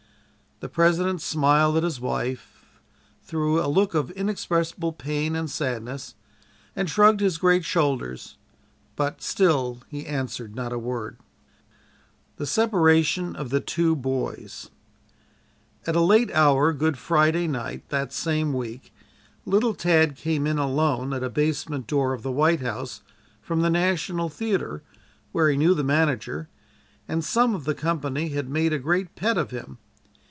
The President smiled at his wife, through a look of inexpressible pain and sadness, and shrugged his great shoulders, but "still he answered not a word." THE SEPARATION OF THE TWO "BOYS" At a late hour Good Friday night, that same week, little Tad came in alone at a basement door of the White House from the National Theater, where he knew the manager, and some of the company, had made a great pet of him.